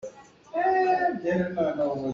Ṭhal caan ah meithang an zaam.